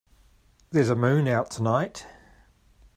There's a moon out tonight.